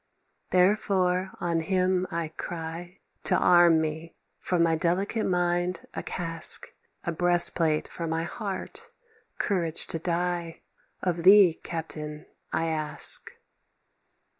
Therefore on him I cry To arm me: "For my delicate mind a casque, A breastplate for my heart, courage to die, Of thee, captain, I ask.